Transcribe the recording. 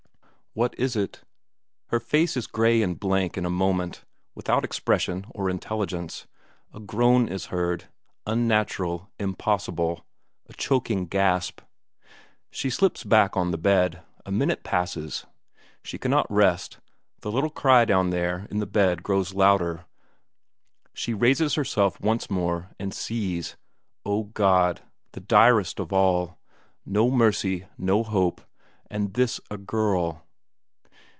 What is it? Her face is grey and blank in a moment, without expression or intelligence; a groan is heard; unnatural, impossible a choking gasp. She slips back on the bed. A minute passes; she cannot rest, the little cry down there in the bed grows louder, she raises herself once more, and sees O God, the direst of all! No mercy, no hope and this a girl!